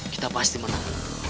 kita pasti menang